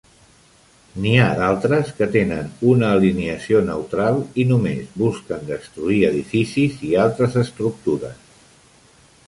N'hi ha d'altres que tenen una alineació neutral i només busquen destruir edificis i altres estructures.